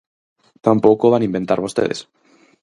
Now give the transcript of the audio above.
Tampouco o van inventar vostedes.